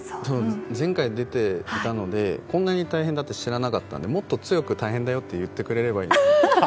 前回出ていたのでこんなに大変だって知らなかったので、もっと強く大変だよと言ってくれればいいのに。